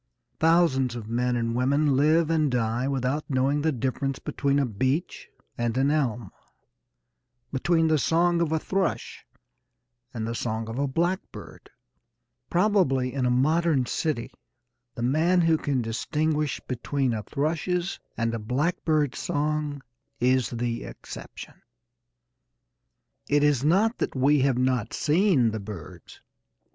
Thousands of men and women live and die without knowing the difference between a beech and an elm, between the song of a thrush and the song of a blackbird. Probably in a modern city the man who can distinguish between a thrush's and a blackbird's song is the exception. It is not that we have not seen the birds.